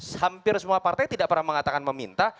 hampir semua partai tidak pernah mengatakan meminta